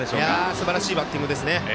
すばらしいバッティングですね。